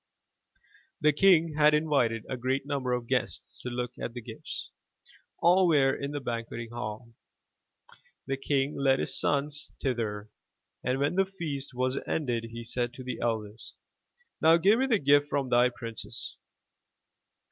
The king had invited a great number of guests to look at the gifts. All were in the banqueting hall. The king led his sons thither, and when the feast was ended, he said to the eldest: '*Now give me the gift from thy princess.